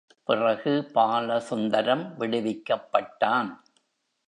பிறகு பாலசுந்தரம் விடுவிக்கப்பட்டான்.